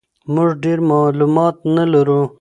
موږ ډېر معلومات نه لرو.